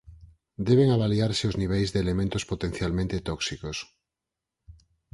Deben avaliarse os niveis de elementos potencialmente tóxicos.